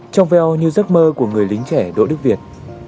trong veo như giấc mơ của người lính trẻ đỗ đức việt